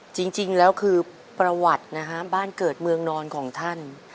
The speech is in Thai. จริงแล้วคือประวัตินะฮะบ้านเกิดเมืองนอนของท่าน